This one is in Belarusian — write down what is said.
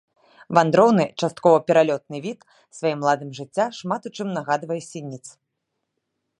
Вандроўны, часткова пералётны від, сваім ладам жыцця шмат у чым нагадвае сініц.